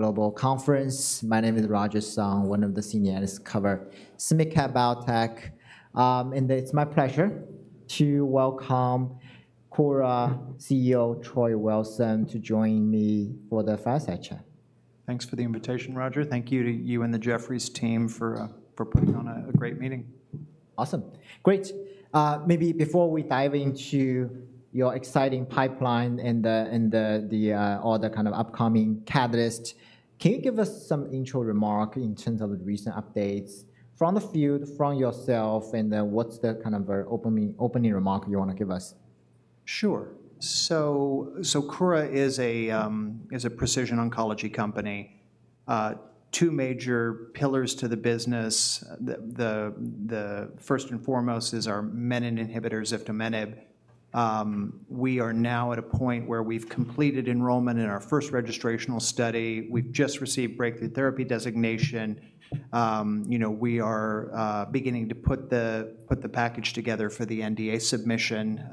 Global conference. My name is Roger Song, one of the senior analysts covering SMID-cap biotech. It's my pleasure to welcome Kura CEO, Troy Wilson, to join me for the first session. Thanks for the invitation, Roger. Thank you to you and the Jefferies team for putting on a great meeting. Awesome. Great. Maybe before we dive into your exciting pipeline and the all the kind of upcoming catalyst, can you give us some intro remark in terms of recent updates from the field, from yourself, and then what's the kind of opening remark you wanna give us? Sure. So Kura is a precision oncology company. Two major pillars to the business. The first and foremost is our menin inhibitors, ziftomenib. We are now at a point where we've completed enrollment in our first registrational study. We've just received breakthrough therapy designation. You know, we are beginning to put the package together for the NDA submission.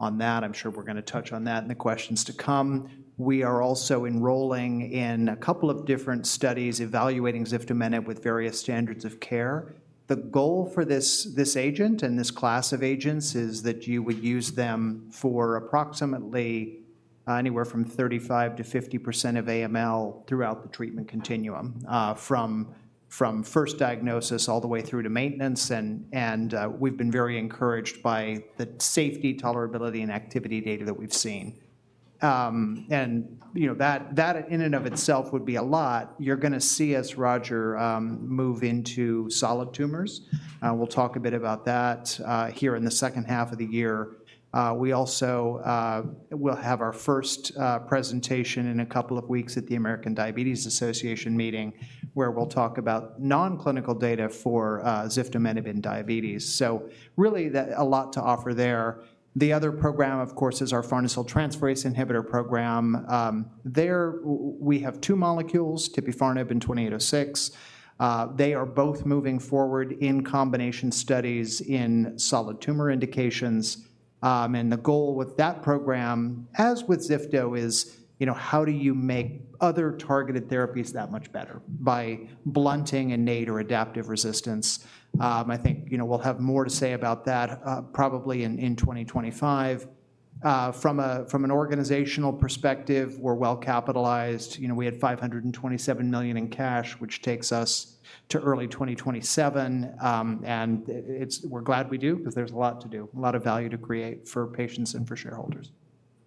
On that, I'm sure we're gonna touch on that in the questions to come. We are also enrolling in a couple of different studies evaluating ziftomenib with various standards of care. The goal for this agent and this class of agents is that you would use them for approximately anywhere from 35%-50% of AML throughout the treatment continuum, from first diagnosis all the way through to maintenance. We've been very encouraged by the safety, tolerability, and activity data that we've seen. And you know, that in and of itself would be a lot. You're gonna see us, Roger, move into solid tumors. We'll talk a bit about that here in the second half of the year. We also will have our first presentation in a couple of weeks at the American Diabetes Association meeting, where we'll talk about non-clinical data for ziftomenib in diabetes. So really, a lot to offer there. The other program, of course, is our farnesyltransferase inhibitor program. There we have two molecules, tipifarnib and 2806. They are both moving forward in combination studies in solid tumor indications. And the goal with that program, as with ziftomenib, is, you know, how do you make other targeted therapies that much better? By blunting innate or adaptive resistance. I think, you know, we'll have more to say about that, probably in 2025. From a, from an organizational perspective, we're well capitalized. You know, we had $527 million in cash, which takes us to early 2027. And it's. We're glad we do because there's a lot to do, a lot of value to create for patients and for shareholders.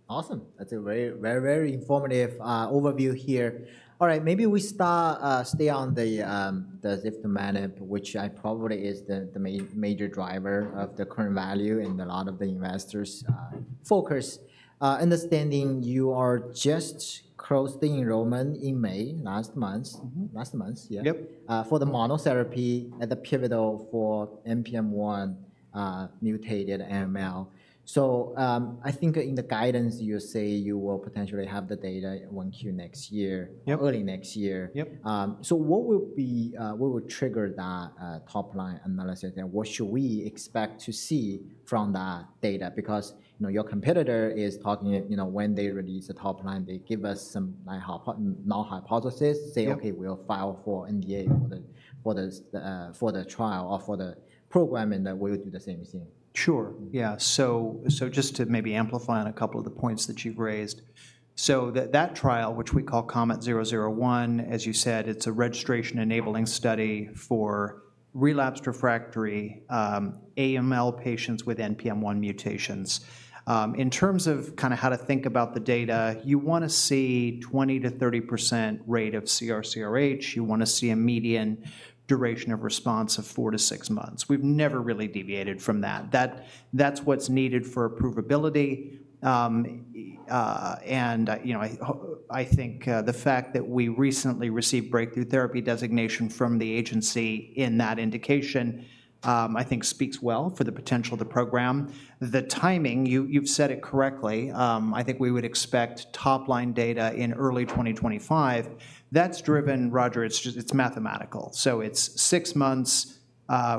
Awesome. That's a very, very, very informative overview here. All right, maybe we start, stay on the ziftomenib, which I probably is the major driver of the current value and a lot of the investors' focus. Understanding you are just crossed the enrollment in May, last month. Mm-hmm. Last month, yeah. Yep. for the monotherapy at the pivotal for NPM1 mutated AML. I think in the guidance, you say you will potentially have the data in 1Q next year- Yep. early next year. Yep. So what will be, what will trigger that, top line analysis, and what should we expect to see from that data? Because, you know, your competitor is talking, you know, when they release the top line, they give us some, like, hyp- null hypothesis. Yep. Say, "Okay, we'll file for NDA for the trial or for the program, and then we'll do the same thing. Sure, yeah. So, so just to maybe amplify on a couple of the points that you've raised. So that, that trial, which we call KOMET-001, as you said, it's a registration-enabling study for relapsed/refractory AML patients with NPM1 mutations. In terms of kinda how to think about the data, you wanna see 20%-30% rate of CR/CRh. You wanna see a median duration of response of 4-6 months. We've never really deviated from that. That's what's needed for approvability. You know, I think the fact that we recently received breakthrough therapy designation from the agency in that indication, I think speaks well for the potential of the program. The timing, you, you've said it correctly. I think we would expect top-line data in early 2025. That's driven, Roger, it's just it's mathematical. So it's six months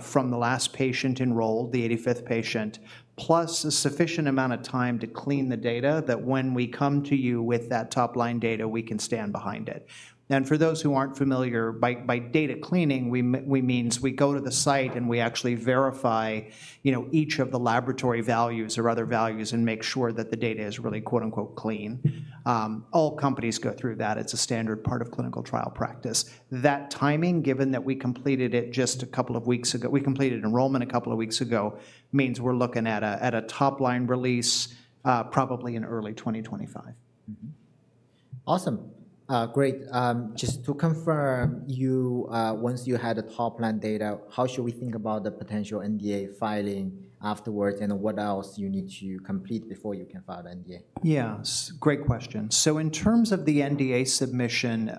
from the last patient enrolled, the 85th patient, plus a sufficient amount of time to clean the data, that when we come to you with that top-line data, we can stand behind it. And for those who aren't familiar, by data cleaning, we mean we go to the site, and we actually verify, you know, each of the laboratory values or other values and make sure that the data is really, quote, unquote, "clean." All companies go through that. It's a standard part of clinical trial practice. That timing, given that we completed it just a couple of weeks ago, we completed enrollment a couple of weeks ago, means we're looking at a top-line release, probably in early 2025. Awesome. Great. Just to confirm, you, once you had the top-line data, how should we think about the potential NDA filing afterwards, and what else you need to complete before you can file NDA? Yes, great question. So in terms of the NDA submission,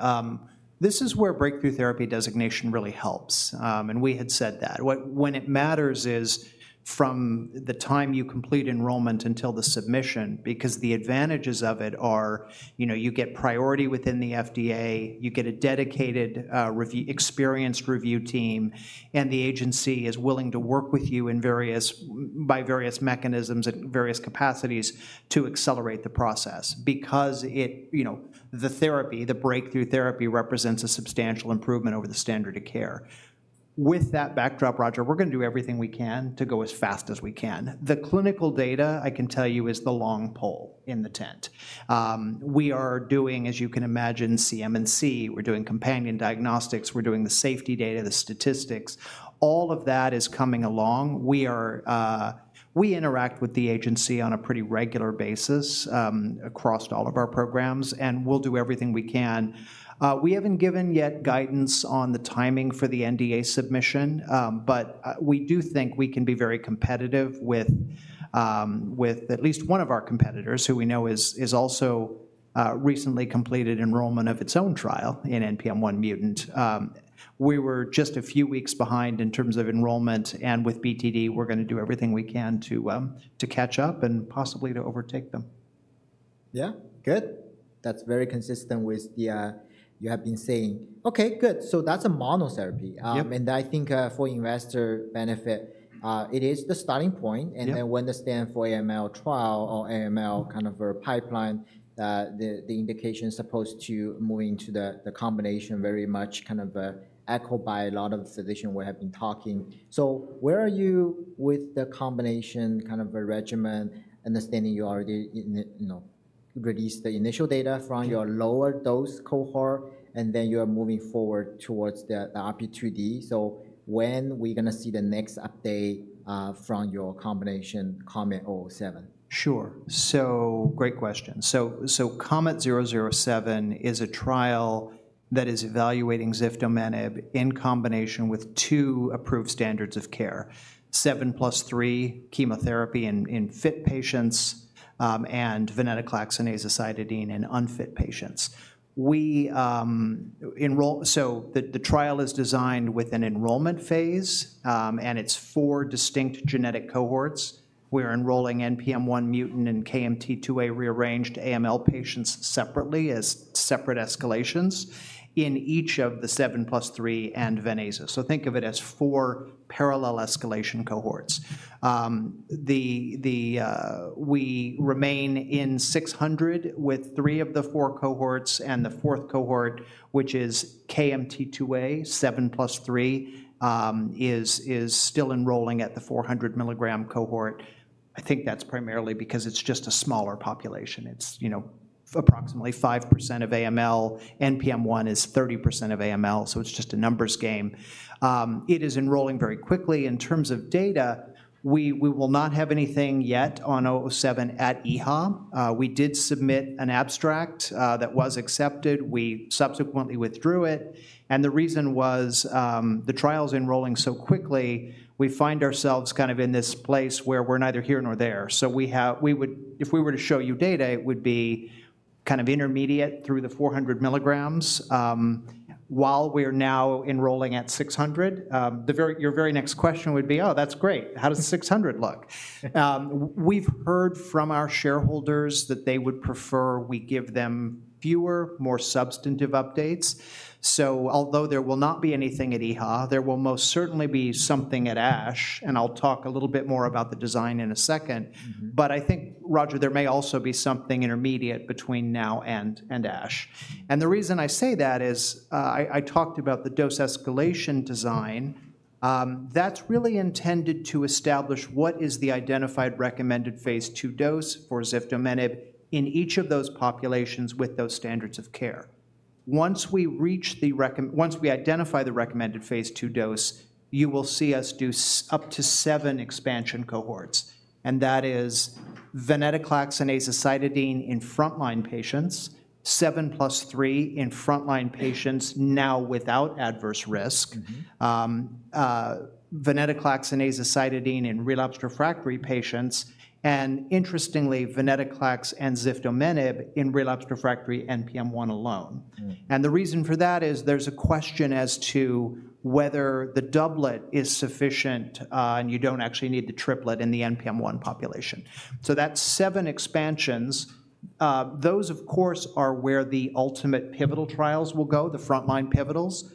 this is where breakthrough therapy designation really helps, and we had said that. When it matters is from the time you complete enrollment until the submission, because the advantages of it are, you know, you get priority within the FDA, you get a dedicated review, experienced review team, and the agency is willing to work with you by various mechanisms and various capacities to accelerate the process. Because you know, the therapy, the breakthrough therapy, represents a substantial improvement over the standard of care. With that backdrop, Roger, we're gonna do everything we can to go as fast as we can. The clinical data, I can tell you, is the long pole in the tent. We are doing, as you can imagine, CMC, we're doing companion diagnostics, we're doing the safety data, the statistics. All of that is coming along. We are, we interact with the agency on a pretty regular basis, across all of our programs, and we'll do everything we can. We haven't given yet guidance on the timing for the NDA submission, but, we do think we can be very competitive with, with at least one of our competitors, who we know is, is also, recently completed enrollment of its own trial in NPM1 mutant. We were just a few weeks behind in terms of enrollment, and with BTD, we're gonna do everything we can to, to catch up and possibly to overtake them. Yeah, good. That's very consistent with what you have been saying. Okay, good. So that's a monotherapy. Yep. I think, for investor benefit, it is the starting point- Yep. and then when the standalone for AML trial or AML kind of a pipeline, the indication is supposed to move into the combination very much kind of echoed by a lot of physicians we have been talking. So where are you with the combination kind of a regimen, understanding you already in, you know, released the initial data from- Yep your lower dose cohort, and then you are moving forward towards the RP2D. So when we're gonna see the next update from your combination KOMET-007? Sure. So great question. So, KOMET-007 is a trial that is evaluating ziftomenib in combination with two approved standards of care, 7+3 chemotherapy in fit patients, and venetoclax and azacitidine in unfit patients. We enroll, so the trial is designed with an enrollment phase, and it's 4 distinct genetic cohorts. We're enrolling NPM1-mutant and KMT2A-rearranged AML patients separately as separate escalations in each of the 7+3 and ven/aza. So think of it as 4 parallel escalation cohorts. We remain in 600 with 3 of the 4 cohorts, and the fourth cohort, which is KMT2A 7+3, is still enrolling at the 400 mg cohort. I think that's primarily because it's just a smaller population. It's, you know, approximately 5% of AML. NPM1 is 30% of AML, so it's just a numbers game. It is enrolling very quickly. In terms of data, we will not have anything yet on 007 at EHA. We did submit an abstract that was accepted. We subsequently withdrew it, and the reason was the trial's enrolling so quickly, we find ourselves kind of in this place where we're neither here nor there. So we would if we were to show you data, it would be kind of intermediate through the 400 milligrams while we're now enrolling at 600. Your very next question would be, "Oh, that's great. How does the 600 look?" We've heard from our shareholders that they would prefer we give them fewer, more substantive updates. So although there will not be anything at EHA, there will most certainly be something at ASH, and I'll talk a little bit more about the design in a second. Mm-hmm. But I think, Roger, there may also be something intermediate between now and ASH. And the reason I say that is, I talked about the dose escalation design. That's really intended to establish what is the identified recommended phase 2 dose for ziftomenib in each of those populations with those standards of care. Once we identify the recommended phase 2 dose, you will see us do up to 7 expansion cohorts, and that is venetoclax and azacitidine in frontline patients, 7+3 in frontline patients now without adverse risk- Mm-hmm... venetoclax and azacitidine in relapsed refractory patients, and interestingly, venetoclax and ziftomenib in relapsed refractory NPM1 alone. Mm. The reason for that is there's a question as to whether the doublet is sufficient, and you don't actually need the triplet in the NPM1 population. That's 7 expansions. Those, of course, are where the ultimate pivotal trials will go, the frontline pivotals.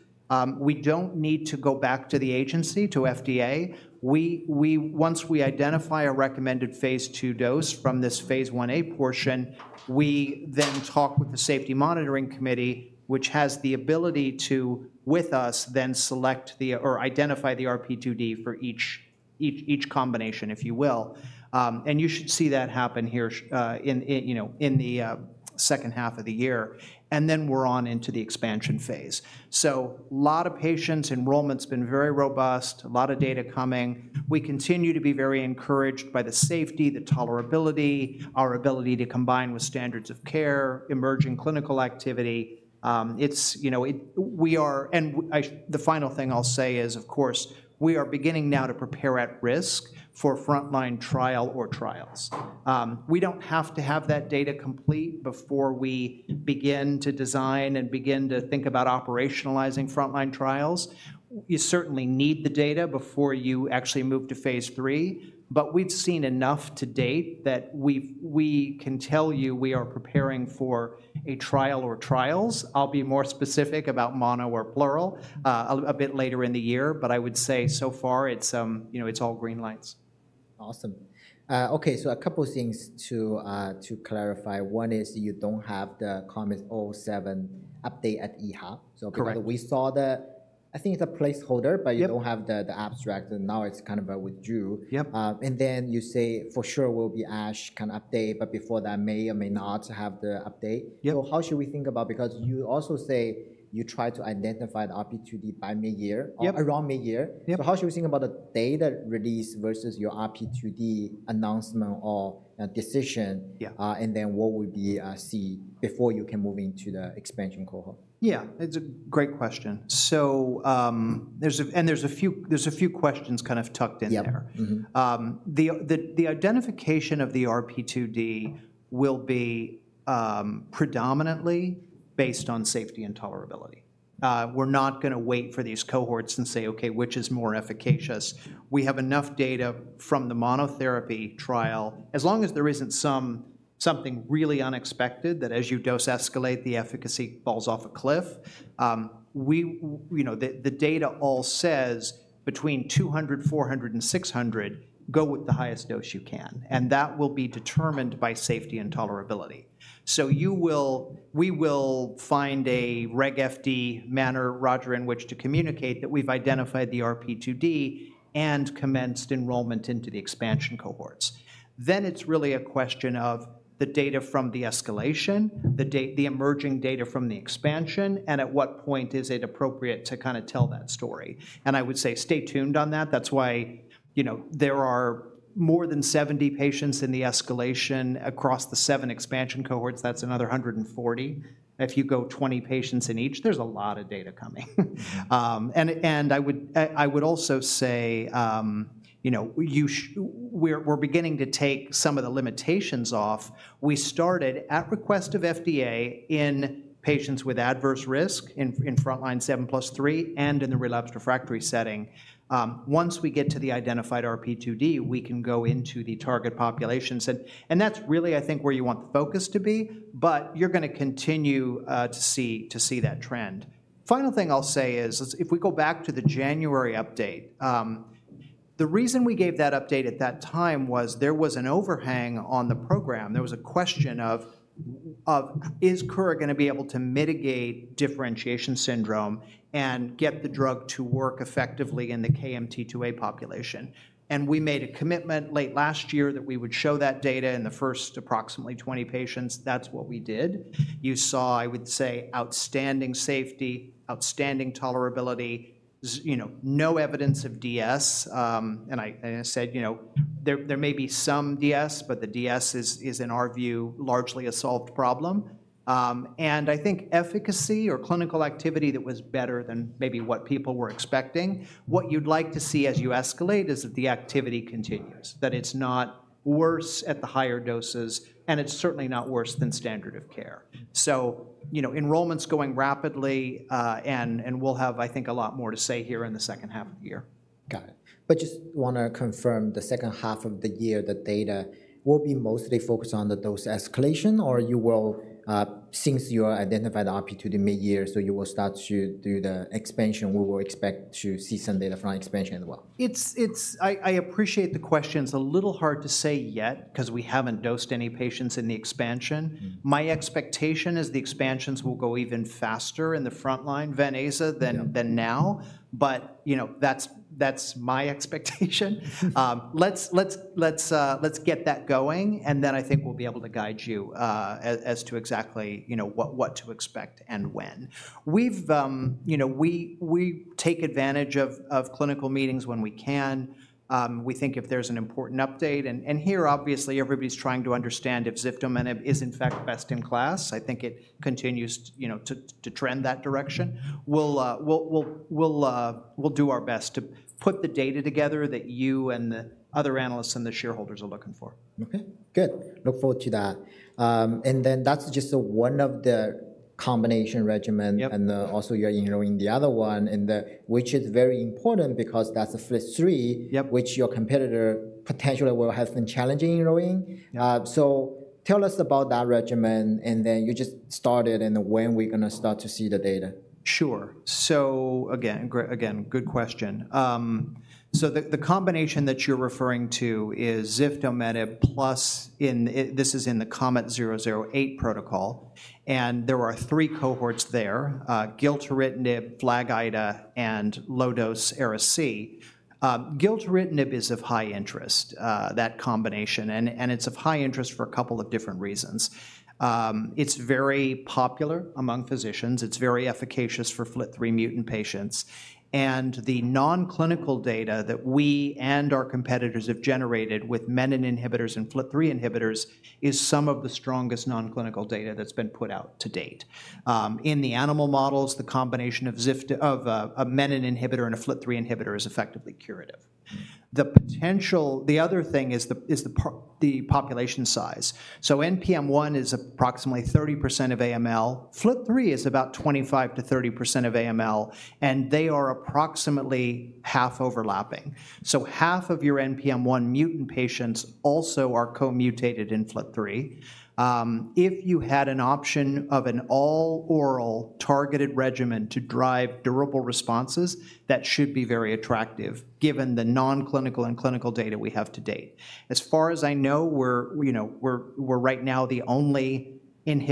We don't need to go back to the agency, to FDA. Once we identify a recommended phase 2 dose from this Phase 1a portion, we then talk with the safety monitoring committee, which has the ability to, with us, then select or identify the RP2D for each combination, if you will. And you should see that happen here, you know, in the second half of the year, and then we're on into the expansion phase. Lot of patients, enrollment's been very robust, a lot of data coming. We continue to be very encouraged by the safety, the tolerability, our ability to combine with standards of care, emerging clinical activity. It's, you know, the final thing I'll say is, of course, we are beginning now to prepare at risk for frontline trial or trials. We don't have to have that data complete before we begin to design and begin to think about operationalizing frontline trials. You certainly need the data before you actually move to phase 3, but we've seen enough to date that we can tell you we are preparing for a trial or trials. I'll be more specific about mono or plural a bit later in the year, but I would say so far it's, you know, it's all green lights. ... Awesome. Okay, so a couple things to clarify. One is you don't have the KOMET-007 update at EHA. Correct. I think it's a placeholder. Yep. But you don't have the abstract, and now it's kind of a withdrawn. Yep. And then you say for sure will be ASH kind of update, but before that, may or may not have the update. Yep. How should we think about, because you also say you try to identify the RP2D by midyear? Yep. -or around midyear. Yep. How should we think about the data release versus your RP2D announcement or, decision? Yeah. What would be before you can move into the expansion cohort? Yeah, it's a great question. So, there's a few questions kind of tucked in there. Yep. Mm-hmm. The identification of the RP2D will be predominantly based on safety and tolerability. We're not gonna wait for these cohorts and say, "Okay, which is more efficacious?" We have enough data from the monotherapy trial. As long as there isn't something really unexpected, that as you dose escalate, the efficacy falls off a cliff, you know, the data all says between 200, 400, and 600, go with the highest dose you can, and that will be determined by safety and tolerability. So we will find a Reg FD manner, Roger, in which to communicate that we've identified the RP2D and commenced enrollment into the expansion cohorts. It's really a question of the data from the escalation, the emerging data from the expansion, and at what point is it appropriate to kinda tell that story. And I would say stay tuned on that. That's why, you know, there are more than 70 patients in the escalation across the seven expansion cohorts. That's another 140. If you go 20 patients in each, there's a lot of data coming. And I would also say, you know, we're beginning to take some of the limitations off. We started, at request of FDA, in patients with adverse risk in frontline 7+3 and in the relapsed refractory setting. Once we get to the identified RP2D, we can go into the target populations, and that's really, I think, where you want the focus to be, but you're gonna continue to see that trend. Final thing I'll say is if we go back to the January update, the reason we gave that update at that time was there was an overhang on the program. There was a question of is Kura going to be able to mitigate differentiation syndrome and get the drug to work effectively in the KMT2A population? And we made a commitment late last year that we would show that data in the first approximately 20 patients. That's what we did. You saw, I would say, outstanding safety, outstanding tolerability, you know, no evidence of DS. And I said, you know, there may be some DS, but the DS is in our view, largely a solved problem. And I think efficacy or clinical activity that was better than maybe what people were expecting. What you'd like to see as you escalate is that the activity continues, that it's not worse at the higher doses, and it's certainly not worse than standard of care. So, you know, enrollment's going rapidly, and we'll have, I think, a lot more to say here in the second half of the year. Got it. But just wanna confirm the second half of the year, the data will be mostly focused on the dose escalation, or you will, since you identified the RP2D midyear, so you will start to do the expansion, we will expect to see some data from expansion as well? It's – I appreciate the question. It's a little hard to say yet 'cause we haven't dosed any patients in the expansion. Mm-hmm. My expectation is the expansions will go even faster in the frontline venetoclax than now. Yep. But, you know, that's my expectation. Let's get that going, and then I think we'll be able to guide you as to exactly, you know, what to expect and when. You know, we take advantage of clinical meetings when we can. We think if there's an important update, and here, obviously, everybody's trying to understand if ziftomenib is, in fact, best in class. I think it continues, you know, to trend that direction. We'll do our best to put the data together that you and the other analysts and the shareholders are looking for. Okay, good. Look forward to that. And then that's just one of the combination regimen- Yep. and also you're enrolling the other one, and which is very important because that's the FLT3 Yep... which your competitor potentially will have been challenging enrolling. Yep. So, tell us about that regimen, and then you just started, and when we're gonna start to see the data? Sure. So again, good question. So the combination that you're referring to is ziftomenib plus. It—this is in the KOMET-008 protocol, and there are three cohorts there, gilteritinib, FLAG-IDA, and low-dose Ara-C. Gilteritinib is of high interest, that combination, and it's of high interest for a couple of different reasons. It's very popular among physicians. It's very efficacious for FLT3 mutant patients, and the non-clinical data that we and our competitors have generated with menin inhibitors and FLT3 inhibitors is some of the strongest non-clinical data that's been put out to date. In the animal models, the combination of a menin inhibitor and a FLT3 inhibitor is effectively curative. The other thing is the population size. So NPM1 is approximately 30% of AML. FLT3 is about 25%-30% of AML, and they are approximately half overlapping. So half of your NPM1 mutant patients also are co-mutated in FLT3. If you had an option of an all-oral targeted regimen to drive durable responses, that should be very attractive, given the non-clinical and clinical data we have to date. As far as I know, you know, we're right now the only menin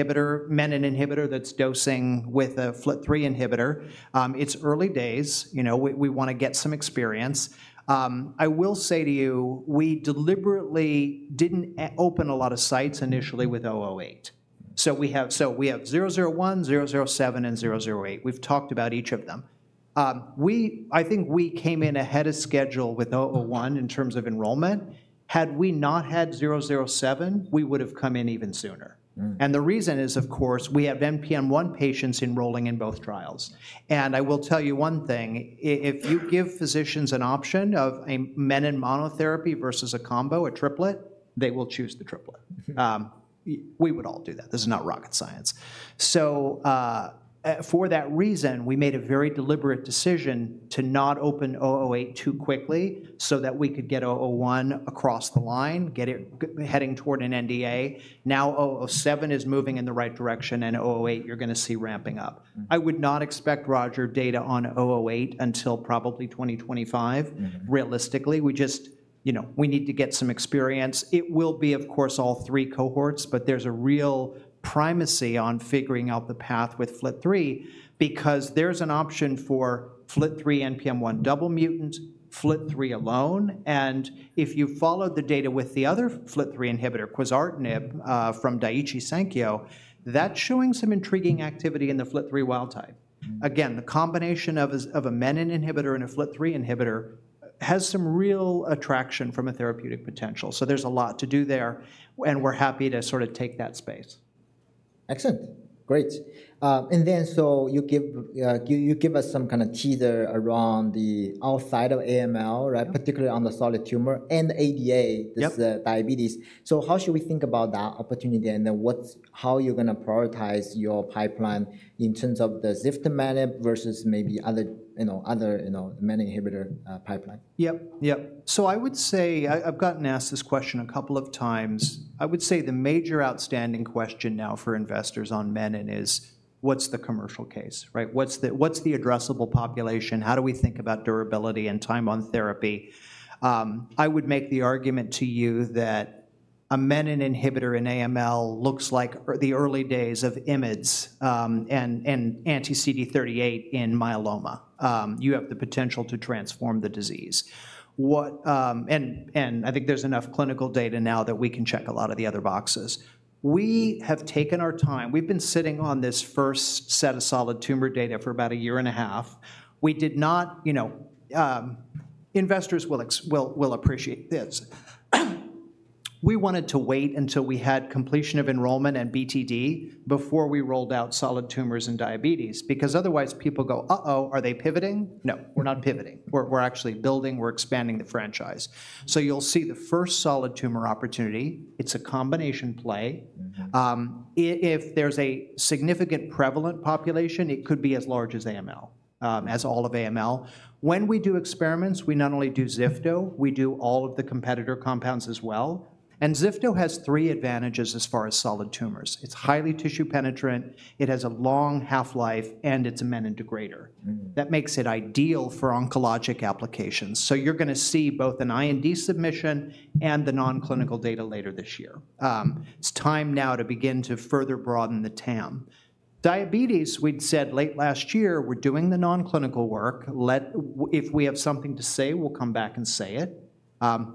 inhibitor that's dosing with a FLT3 inhibitor. It's early days. You know, we wanna get some experience. I will say to you, we deliberately didn't open a lot of sites initially with 008. So we have 001, 007, and 008. We've talked about each of them. I think we came in ahead of schedule with 001 in terms of enrollment. Had we not had 007, we would have come in even sooner. Mm. The reason is, of course, we have NPM1 patients enrolling in both trials. I will tell you one thing, if you give physicians an option of a menin monotherapy versus a combo, a triplet, they will choose the triplet. Mm-hmm. We would all do that. This is not rocket science. So, for that reason, we made a very deliberate decision to not open 008 too quickly so that we could get 001 across the line, get it heading toward an NDA. Now, 007 is moving in the right direction, and 008, you're gonna see ramping up. Mm. I would not expect, Roger, data on 008 until probably 2025- Mm-hmm. realistically. We just, you know, we need to get some experience. It will be, of course, all three cohorts, but there's a real primacy on figuring out the path with FLT3 because there's an option for FLT3 NPM1 double mutant, FLT3 alone, and if you followed the data with the other FLT3 inhibitor, quizartinib, from Daiichi Sankyo, that's showing some intriguing activity in the FLT3 wild type. Mm-hmm. Again, the combination of a menin inhibitor and a FLT3 inhibitor has some real attraction from a therapeutic potential, so there's a lot to do there, and we're happy to sort of take that space. Excellent. Great. And then, so you give us some kinda teaser around the outside of AML, right? Particularly on the solid tumor and ADA- Yep. - this, diabetes. So how should we think about that opportunity, and then what's, how you're gonna prioritize your pipeline in terms of the ziftomenib versus maybe other, you know, other, you know, menin inhibitor, pipeline? Yep, yep. So I would say I've gotten asked this question a couple of times. I would say the major outstanding question now for investors on menin is, what's the commercial case, right? What's the, what's the addressable population? How do we think about durability and time on therapy? I would make the argument to you that a menin inhibitor in AML looks like the early days of IMiDs, and anti-CD38 in myeloma. You have the potential to transform the disease. And I think there's enough clinical data now that we can check a lot of the other boxes. We have taken our time. We've been sitting on this first set of solid tumor data for about a year and a half. We did not, you know. Investors will appreciate this. We wanted to wait until we had completion of enrollment and BTD before we rolled out solid tumors and diabetes, because otherwise people go, "Uh-oh, are they pivoting?" No, we're not pivoting. We're actually building, we're expanding the franchise. So you'll see the first solid tumor opportunity. It's a combination play. Mm-hmm. If there's a significant prevalent population, it could be as large as AML, as all of AML. When we do experiments, we not only do Zifto, we do all of the competitor compounds as well, and Zifto has three advantages as far as solid tumors. It's highly tissue penetrant, it has a long half-life, and it's a menin degrader. Mm. That makes it ideal for oncologic applications. So you're gonna see both an IND submission and the non-clinical data later this year. It's time now to begin to further broaden the TAM. Diabetes, we'd said late last year, we're doing the non-clinical work. If we have something to say, we'll come back and say it.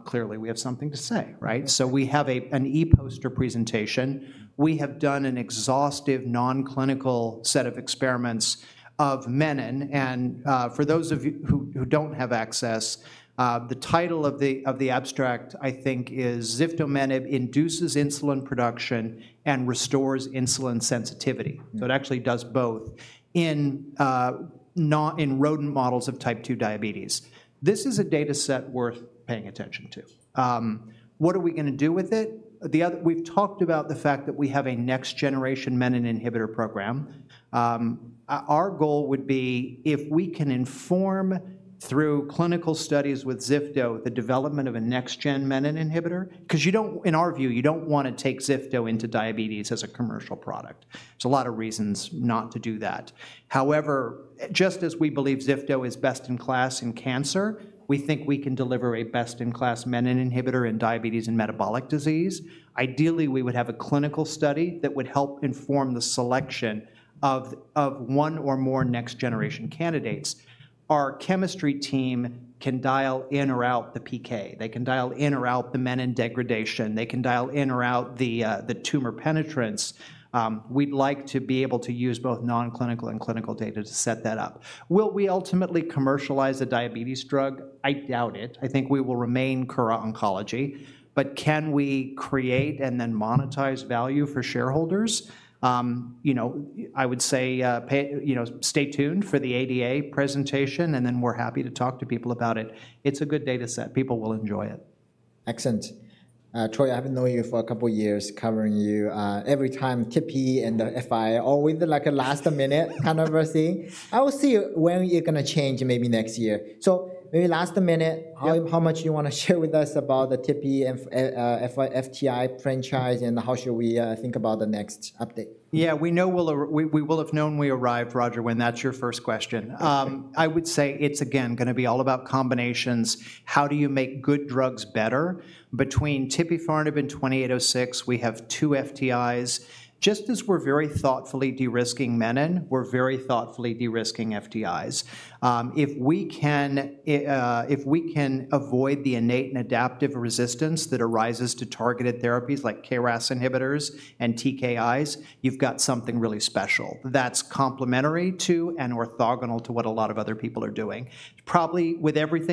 Clearly, we have something to say, right? Yep. So we have an e-poster presentation. We have done an exhaustive non-clinical set of experiments of menin, and for those of you who don't have access, the title of the abstract, I think, is "Ziftomenib Induces Insulin Production and Restores Insulin Sensitivity. Mm. So it actually does both in rodent models of type 2 diabetes. This is a data set worth paying attention to. What are we gonna do with it? We've talked about the fact that we have a next generation menin inhibitor program. Our goal would be, if we can inform through clinical studies with ziftomenib, the development of a next gen menin inhibitor—'cause you don't, in our view, you don't wanna take ziftomenib into diabetes as a commercial product. There's a lot of reasons not to do that. However, just as we believe ziftomenib is best in class in cancer, we think we can deliver a best-in-class menin inhibitor in diabetes and metabolic disease. Ideally, we would have a clinical study that would help inform the selection of one or more next-generation candidates. Our chemistry team can dial in or out the PK. They can dial in or out the menin degradation. They can dial in or out the tumor penetrance. We'd like to be able to use both non-clinical and clinical data to set that up. Will we ultimately commercialize a diabetes drug? I doubt it. I think we will remain pure oncology, but can we create and then monetize value for shareholders? You know, I would say, you know, stay tuned for the ADA presentation, and then we're happy to talk to people about it. It's a good data set. People will enjoy it. Excellent. Troy, I've known you for a couple of years, covering you. Every time Tipi and the FTI, always like a last minute kind of a thing. I will see when you're gonna change maybe next year. So maybe last a minute- Yep. How much you wanna share with us about the tipifarnib and FTI franchise, and how should we think about the next update? Yeah, we know we'll arrive, Roger, when that's your first question. I would say it's again gonna be all about combinations. How do you make good drugs better? Between Tipifarnib and 2806, we have two FTIs. Just as we're very thoughtfully de-risking menin, we're very thoughtfully de-risking FTIs. If we can avoid the innate and adaptive resistance that arises to targeted therapies like KRAS inhibitors and TKIs, you've got something really special that's complementary to and orthogonal to what a lot of other people are doing. Probably with everything-